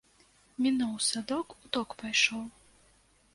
Мінуў садок, у ток пайшоў.